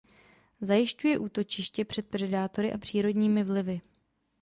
Zajišťuje útočiště před predátory a přírodními vlivy.